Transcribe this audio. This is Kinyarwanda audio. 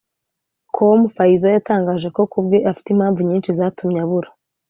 com Fayzo yatangaje ko kubwe afite impamvu nyinshi zatumye abura